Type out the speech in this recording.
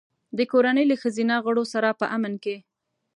د کورنۍ له ښځینه غړو سره په امن کې.